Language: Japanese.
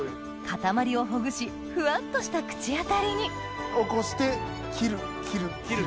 固まりをほぐしふわっとした口当たりに起こして切る切る切る。